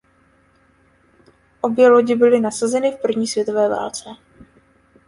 Obě lodě byly nasazeny v první světové válce.